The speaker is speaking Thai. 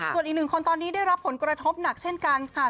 ส่วนอีกหนึ่งคนตอนนี้ได้รับผลกระทบหนักเช่นกันค่ะ